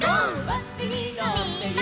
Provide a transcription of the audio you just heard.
みんなで！